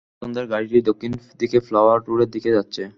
সন্দেহভাজনদের গাড়িটি দক্ষিণ দিকে ফ্লাওয়ার রোডের দিকে যাচ্ছে।